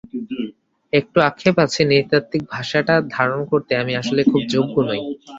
একটু আক্ষেপ আছে, নৃতাত্ত্বিক ভাষাটা ধারণ করতে আমি আসলে খুব যোগ্য নই।